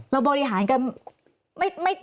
เราบริหารกันไม่